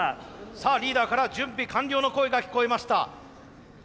さあリーダーから準備完了の声が聞こえました。